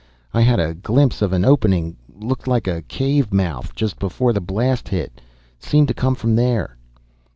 I had a glimpse of an opening, looked like a cave mouth, just before the blast hit. Seemed to come from there."